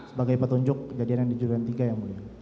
sebagai petunjuk kejadian di durian tiga ya muridnya